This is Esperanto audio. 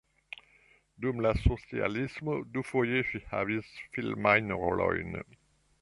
Dum la socialismo dufoje ŝi havis filmajn rolojn.